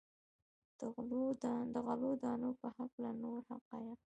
د غلو دانو په هکله نور حقایق.